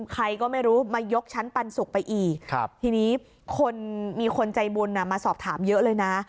ใครก็ไม่รู้มายกชั้นปันสุกไปอีกทีนี้คนมีคนใจบุญมาสอบถามเยอะเลยนะ